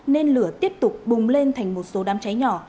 nên lửa tiếp tục bùng lên thành một số đám cháy nhỏ